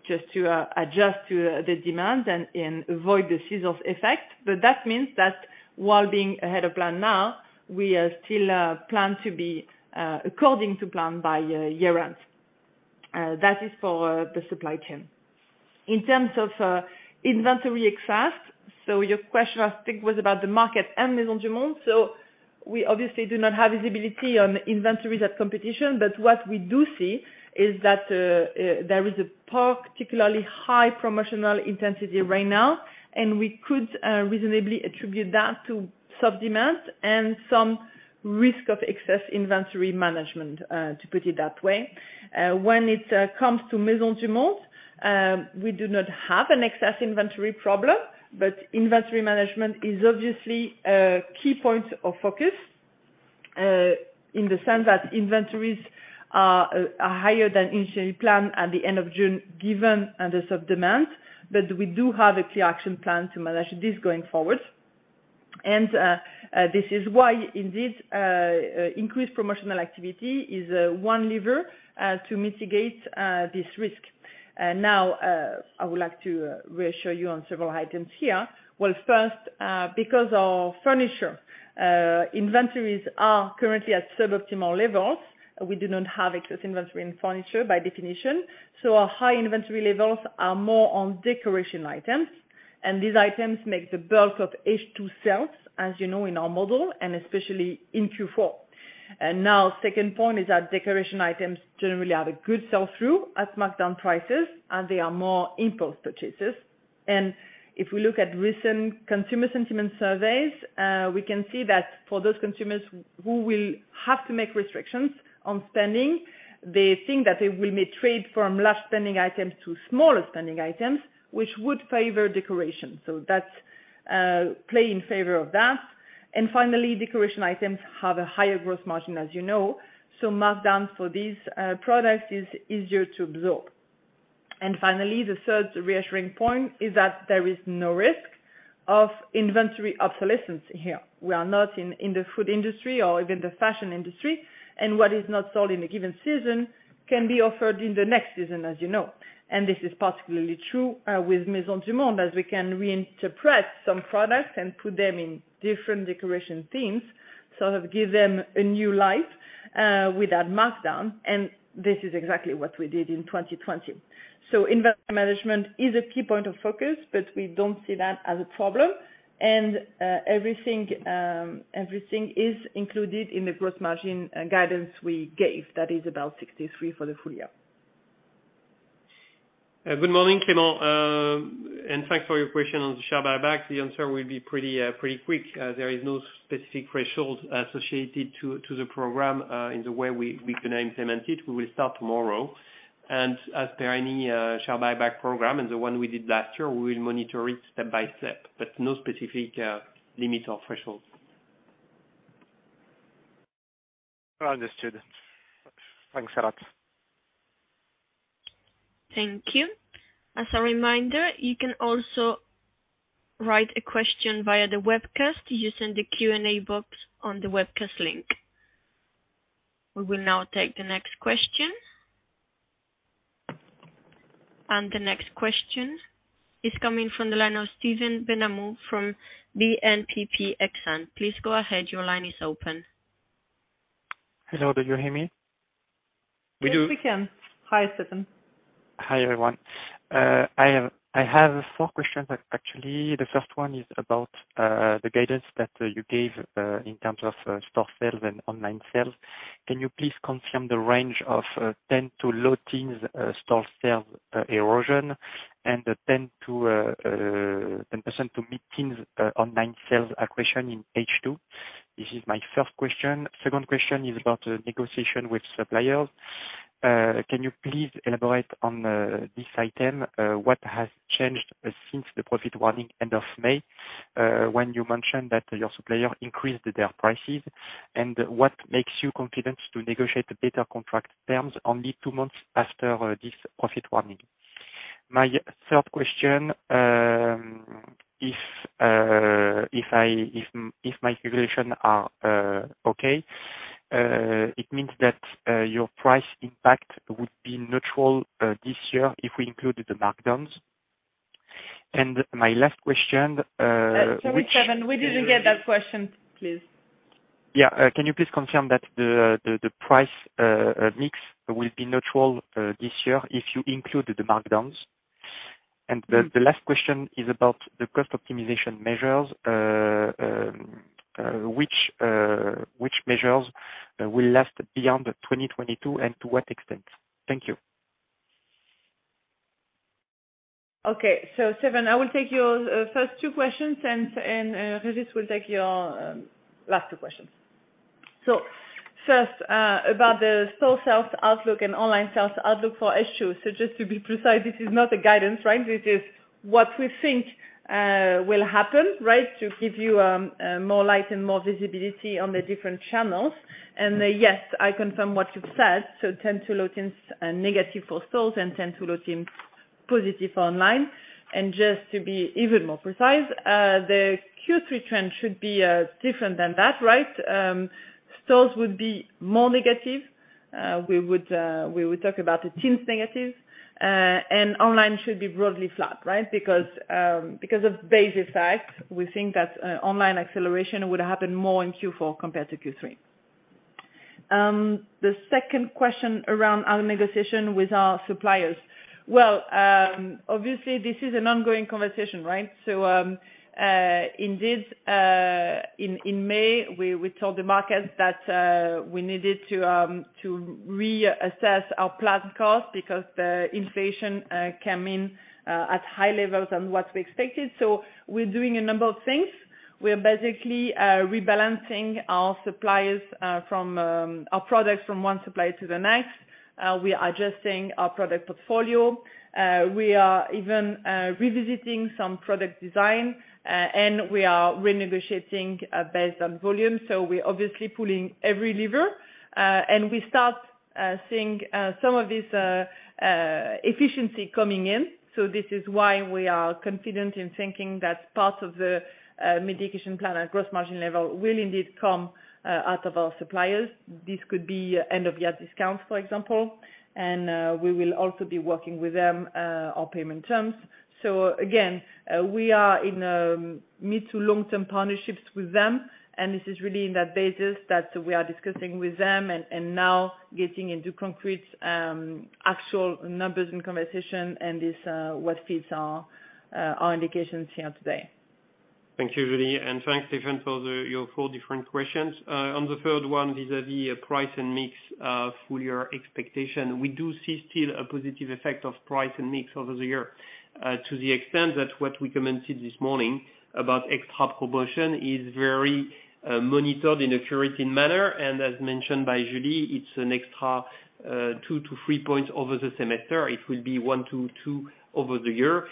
just to adjust to the demand and avoid the scissors effect. That means that while being ahead of plan now, we still plan to be according to plan by year end. That is for the supply chain. In terms of inventory excess. Your question, I think, was about the market and Maisons du Monde. We obviously do not have visibility on inventories at competition. What we do see is that there is a particularly high promotional intensity right now, and we could reasonably attribute that to soft demand and some risk of excess inventory management, to put it that way. When it comes to Maisons du Monde, we do not have an excess inventory problem. Inventory management is obviously a key point of focus, in the sense that inventories are higher than initially planned at the end of June given the soft demand. We do have a clear action plan to manage this going forward. This is why indeed increased promotional activity is one lever to mitigate this risk. Now I would like to reassure you on several items here. Well, first, because our furniture inventories are currently at suboptimal levels, we do not have excess inventory in furniture by definition. Our high inventory levels are more on decoration items. These items make the bulk of H2 sales, as you know, in our model and especially in Q4. Now second point is that decoration items generally have a good sell through at markdown prices, and they are more impulse purchases. If we look at recent consumer sentiment surveys, we can see that for those consumers who will have to make restrictions on spending, they think that they may trade from large spending items to smaller spending items, which would favor decoration. That plays in favor of that. Finally, decoration items have a higher gross margin, as you know. Markdowns for these products are easier to absorb. Finally, the third reassuring point is that there is no risk of inventory obsolescence here. We are not in the food industry or even the fashion industry. What is not sold in a given season can be offered in the next season, as you know. This is particularly true with Maisons du Monde, as we can reinterpret some products and put them in different decoration themes, sort of give them a new life without markdown. This is exactly what we did in 2020. Inventory management is a key point of focus, but we don't see that as a problem. Everything is included in the gross margin guidance we gave. That is about 63% for the full year. Good morning, Clément, and thanks for your question on the share buyback. The answer will be pretty quick. There is no specific threshold associated to the program in the way we gonna implement it. We will start tomorrow. As per any share buyback program and the one we did last year, we will monitor it step by step, but no specific limits or thresholds. Understood. Thanks a lot. Thank you. As a reminder, you can also write a question via the webcast using the Q&A box on the webcast link. We will now take the next question. The next question is coming from the line of Stephen Benhamou from BNP Exane. Please go ahead. Your line is open. Hello, do you hear me? Yes, we can. Hi, Stephen. Hi, everyone. I have four questions, actually. The first one is about the guidance that you gave in terms of store sales and online sales. Can you please confirm the range of 10% to low teens store sales erosion and 10% to mid-teens online sales acquisition in H2? This is my first question. Second question is about negotiation with suppliers. Can you please elaborate on this item? What has changed since the profit warning end of May, when you mentioned that your supplier increased their prices? And what makes you confident to negotiate better contract terms only two months after this profit warning? My third question, if my calculations are okay, it means that your price impact would be neutral this year if we include the markdowns. My last question. Sorry, Stephen, we didn't get that question, please. Can you please confirm that the price mix will be neutral this year if you include the markdowns? The last question is about the cost optimization measures. Which measures will last beyond 2022, and to what extent? Thank you. Okay. Stephen, I will take your first two questions, and Régis will take your last two questions. First, about the store sales outlook and online sales outlook for H2. Just to be precise, this is not a guidance, right? This is what we think will happen, right? To give you more light and more visibility on the different channels. Yes, I confirm what you've said. Tend to look in negative for stores and tend to look in positive online. Just to be even more precise, the Q3 trend should be different than that, right? Stores would be more negative. We would talk about a teens negative. And online should be broadly flat, right? Because of basic fact, we think that online acceleration would happen more in Q4 compared to Q3. The second question around our negotiation with our suppliers. Well, obviously this is an ongoing conversation, right? Indeed, in May, we told the markets that we needed to reassess our planned cost because the inflation came in at higher levels than what we expected. We're doing a number of things. We are basically rebalancing our suppliers from our products from one supplier to the next. We are adjusting our product portfolio. We are even revisiting some product design. We are renegotiating based on volume. We're obviously pulling every lever. We start seeing some of this efficiency coming in. This is why we are confident in thinking that part of the mitigation plan at gross margin level will indeed come out of our suppliers. This could be end of year discounts, for example, and we will also be working with them on payment terms. Again, we are in mid to long-term partnerships with them, and this is really in that basis that we are discussing with them and now getting into concrete actual numbers and conversation and this what feeds our indications here today. Thank you, Julie, and thanks, Stephen, for your four different questions. On the third one, vis-à-vis price and mix, full-year expectation, we do see still a positive effect of price and mix over the year. To the extent that what we commented this morning about ex-hub promotion is very monitored in a curated manner. As mentioned by Julie, it's an extra 2-3 points over the semester. It will be 1-2 over the year.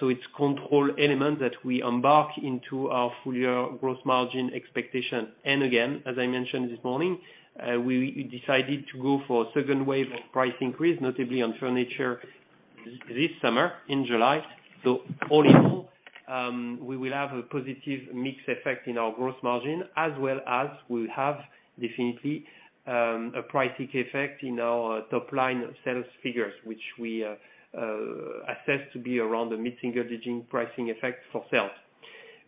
So it's control element that we embark into our full-year growth margin expectation. Again, as I mentioned this morning, we decided to go for a second wave of price increase, notably on furniture this summer in July. All in all, we will have a positive mix effect in our gross margin as well as we'll have definitely a pricing effect in our top-line sales figures, which we assess to be around the mid-single-digit pricing effect for sales.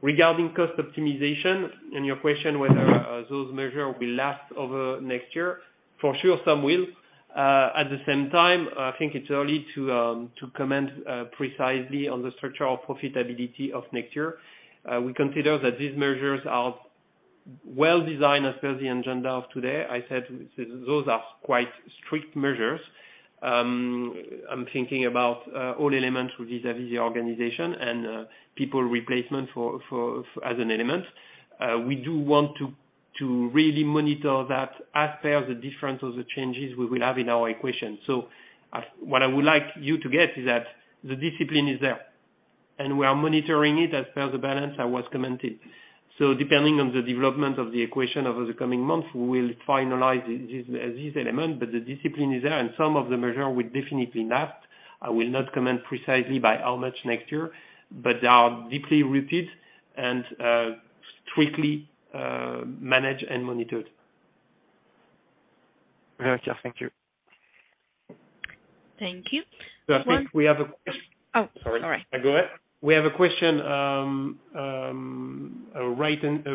Regarding cost optimization and your question whether those measures will last over next year, for sure some will. At the same time, I think it's early to comment precisely on the structural profitability of next year. We consider that these measures are well-designed as per the agenda of today. I said those are quite strict measures. I'm thinking about all elements vis-à-vis the organization and people replacement for as an element. We do want to really monitor that as per the difference of the changes we will have in our equation. What I would like you to get is that the discipline is there, and we are monitoring it as per the balance I was commented. Depending on the development of the situation over the coming months, we will finalize this element, but the discipline is there, and some of the measures will definitely last. I will not comment precisely by how much next year, but they are deeply rooted and strictly managed and monitored. Very clear. Thank you. Thank you. Next one. Go ahead. We have a question, a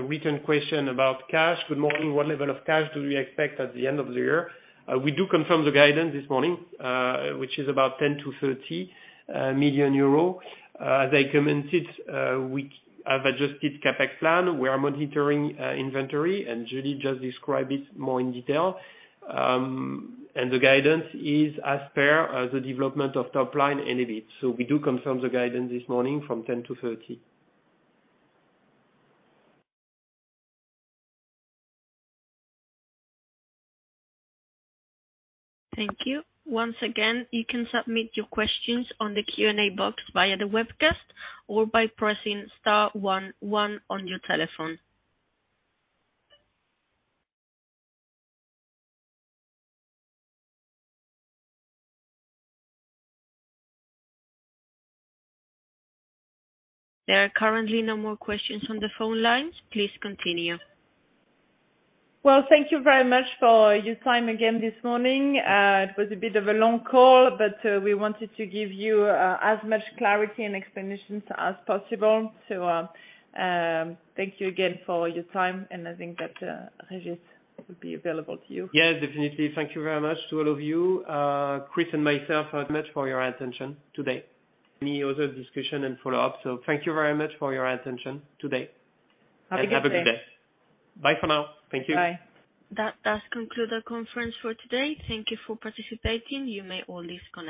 written question about cash. Good morning. What level of cash do we expect at the end of the year? We do confirm the guidance this morning, which is about 10 million to 30 million euro. As I commented, we have adjusted CapEx plan. We are monitoring inventory, and Julie just described it more in detail. The guidance is as per the development of top line and EBIT. We do confirm the guidance this morning from 10 million to 30 million. Thank you. Once again, you can submit your questions on the Q&A box via the webcast or by pressing star one one on your telephone. There are currently no more questions on the phone lines. Please continue. Well, thank you very much for your time again this morning. It was a bit of a long call, but we wanted to give you as much clarity and explanations as possible. Thank you again for your time, and I think that Régis will be available to you. Yes, definitely. Thank you very much to all of you. Chris and myself thank much for your attention today. Any other discussion and follow-up. Thank you very much for your attention today. Have a good day. Have a good day. Bye for now. Thank you. That does conclude the conference for today. Thank you for participating. You may all disconnect.